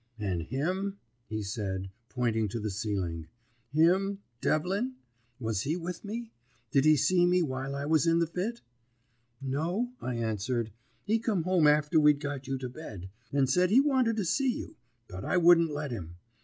"'And him?' he said, pointing to the ceiling. 'Him Devlin? Was he with me? Did he see me while I was in the fit?' "'No,' I answered. 'He come home after we'd got you to bed, and said he wanted to see you; but I wouldn't let him.